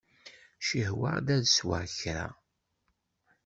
Cihwaɣ-d ad sweɣ kra.